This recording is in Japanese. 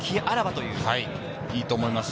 いいと思いますよ。